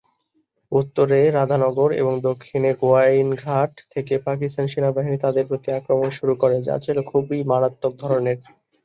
উত্তরে রাধানগর এবং দক্ষিণে গোয়াইনঘাট থেকে পাকিস্তান সেনাবাহিনী তাদের প্রতি-আক্রমণ শুরু করে যা ছিল খুবই মারাত্মক ধরনের।